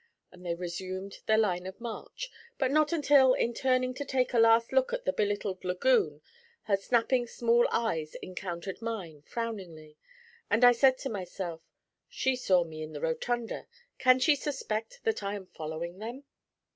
And they resumed their line of march, but not until in turning to take a last look at the belittled 'laggoon' her snapping small eyes encountered mine frowningly, and I said to myself, 'She saw me in the rotunda; can she suspect that I am following them?'